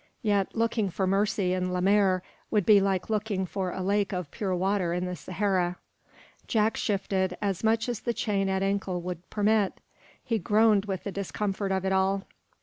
Yet looking for mercy in Lemaire would be like looking for a lake of pure water in the Sahara." Jack shifted, as much as the chain at ankle would permit. He groaned with the discomfort of it all.